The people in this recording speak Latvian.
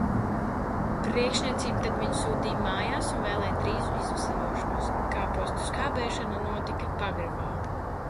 Priekšniecība tad viņu sūtīja mājās un vēlēja drīzu izveseļošanos. Kāpostu skābēšana notika pagrabā.